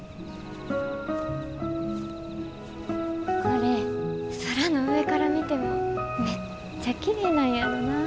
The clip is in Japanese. これ空の上から見てもめっちゃきれいなんやろなぁ。